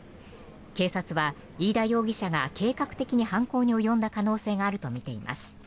警察は飯田容疑者が計画的に犯行に及んだ可能性があるとみています。